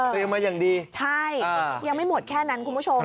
มาอย่างดีใช่ยังไม่หมดแค่นั้นคุณผู้ชม